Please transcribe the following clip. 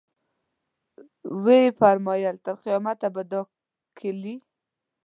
ویې فرمایل تر قیامته به دا کیلي.